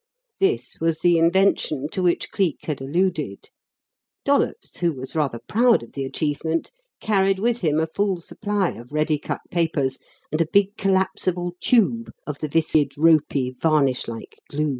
This was the "invention" to which Cleek had alluded. Dollops, who was rather proud of the achievement, carried with him a full supply of ready cut papers and a big collapsible tube of the viscid, ropy, varnish like glue.